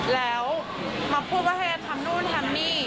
แล้วมาพูดว่าให้ทำนู่นทำนี่